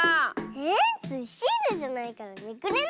⁉えスイシールじゃないからめくれないよ。